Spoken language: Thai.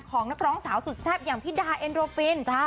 ของนักร้องสาวสุดแซ่บอย่างพิดาเอ็นโรอปินท์